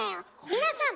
皆さん！